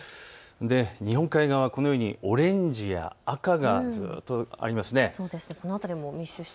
日本海側はこのようにオレンジや赤がずっとありますね。